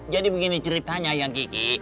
jadi begini ceritanya ayang kiki